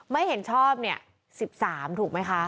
ไม่เห็นชอบเนี่ย๑๓ถูกไหมคะ